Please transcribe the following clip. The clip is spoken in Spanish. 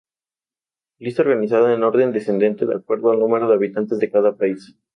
Lista organizada en orden descendente de acuerdo al número de habitantes de cada país.